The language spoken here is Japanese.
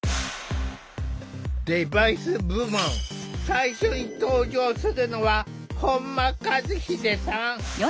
デバイス部門最初に登場するのは本間一秀さん。